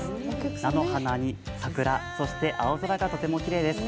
菜の花に桜、そして青空がとてもきれいです。